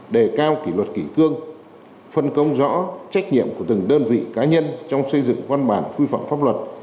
đề cao kỷ luật kỷ cương phân công rõ trách nhiệm của từng đơn vị cá nhân trong xây dựng văn bản quy phạm pháp luật